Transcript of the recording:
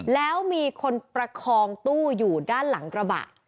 แล้วมีคนประคองตู้อยู่ด้านหลังกระบะ